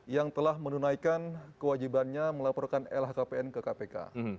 yang telah menunaikan kewajibannya melaporkan lhkpn ke kpk